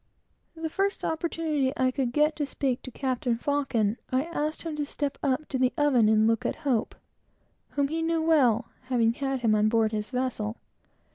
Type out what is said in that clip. The first opportunity I could get to speak to Captain Faucon, I asked him to step up to the oven and look at Hope, whom he knew well, having had him on board his vessel.